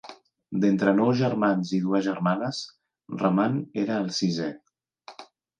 D'entre nou germans i dues germanes, Rahman era el sisè.